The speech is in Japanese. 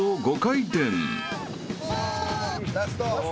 ラスト。